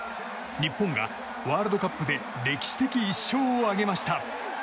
日本がワールドカップで歴史的１勝を挙げました。